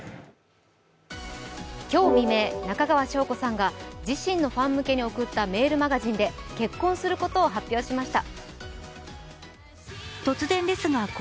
今日未明、中川翔子さんが自身のファン向けに送ったメールマガジンで結婚することを発表しました。